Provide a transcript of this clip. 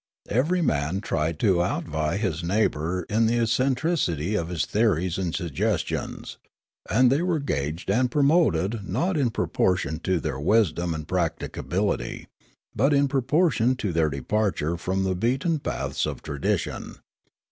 Every man tried to outvie his neighbour in the eccen tricity of his theories and suggestions ; and the} were gauged and promoted not in proportion to their wisdom and practicability, but in proportion to their departure from the beaten paths of tradition.